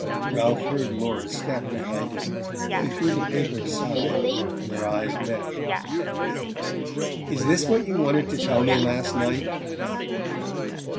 Ralph heard Laura's step behind him. He threw the paper aside and their eyes met. "Is this what you wanted to tell me last night?"